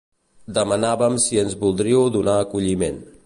Demanàvem si ens voldríeu donar acolliment.